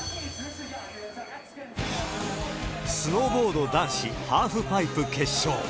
スノーボード男子ハーフパイプ決勝。